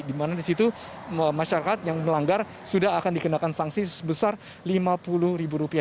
di mana di situ masyarakat yang melanggar sudah akan dikenakan sanksi sebesar lima puluh ribu rupiah